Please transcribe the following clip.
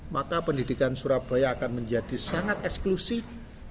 maka pendidikan surabaya akan menjadi sangat eksklusif